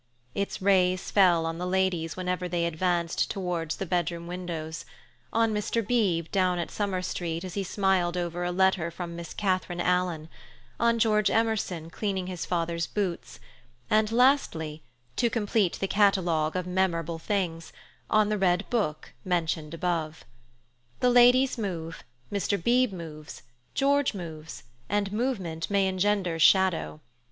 Its rays fell on the ladies whenever they advanced towards the bedroom windows; on Mr. Beebe down at Summer Street as he smiled over a letter from Miss Catharine Alan; on George Emerson cleaning his father's boots; and lastly, to complete the catalogue of memorable things, on the red book mentioned previously. The ladies move, Mr. Beebe moves, George moves, and movement may engender shadow.